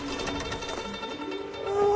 うわ！